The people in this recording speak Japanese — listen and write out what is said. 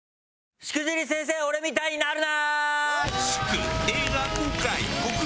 『しくじり先生俺みたいになるな！！』！